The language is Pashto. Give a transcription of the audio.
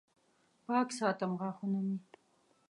پاک ساتم غاښونه مې